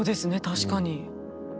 確かに。